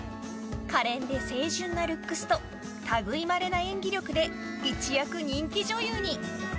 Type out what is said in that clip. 可憐で清純なルックスと類いまれな演技力で一躍人気女優に。